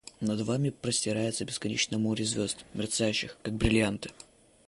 Над вами простирается бесконечное море звезд, мерцающих, как бриллианты.